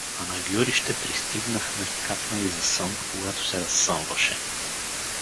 В Панагюрище пристигнахме капнали за сън, когато се разсъмваше.